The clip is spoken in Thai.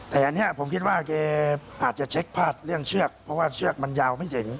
แต่อันนี้ผมคิดว่าแกอาจจะเช็คพลาดเรื่องเชือกเพราะว่าเชือกมันยาวไม่ถึง